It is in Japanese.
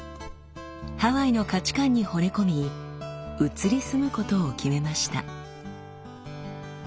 ハワイの価値観にほれ込み移り住むことを決めました。